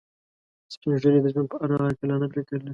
سپین ږیری د ژوند په اړه عاقلانه فکر لري